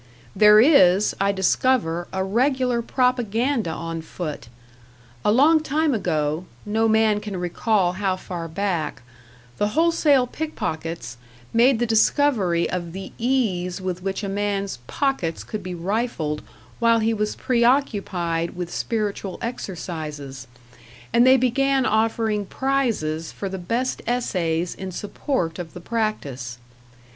There is, I discover, a regular propaganda on foot; a long time ago no man can recall how far back the Wholesale Pickpockets made the discovery of the ease with which a man's pockets could be rifled while he was preoccupied with spiritual exercises, and they began offering prizes for the best essays in support of the practice.